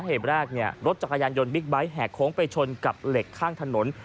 เหตุแรกเนี่ยรถจักรยานยนต์บิ๊กไบท์แห่โค้งไปชนกับเหล็กข้างถนน